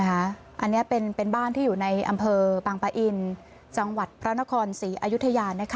อันนี้เป็นบ้านที่อยู่ในอำเภอบางปะอินจังหวัดพระนครศรีอยุธยา